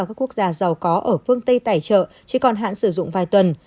là giàu có ở phương tây tài trợ chỉ còn hạn sử dụng vài tuần